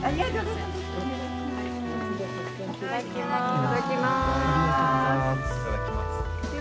いただきます！